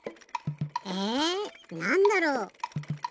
えなんだろう？